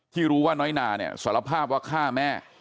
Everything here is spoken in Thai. ที่รู้ว่าน้อยนาเนี่ยสารภาพว่าฆ่าแม่